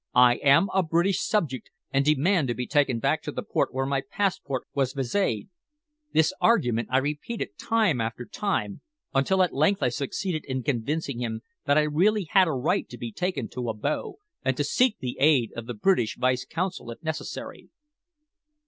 "I am a British subject, and demand to be taken back to the port where my passport was viséd." This argument I repeated time after time, until at length I succeeded in convincing him that I really had a right to be taken to Abo, and to seek the aid of the British Vice Consul if necessary.